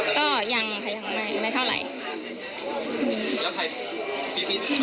ไปเที่ยวกับเพื่อนนี้หรอครับ